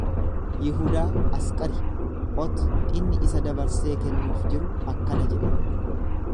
Yihudaa Asqariot inni isa dabarsee kennuuf jiru akkana jedhe.